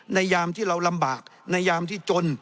ยามที่เราลำบากในยามที่จน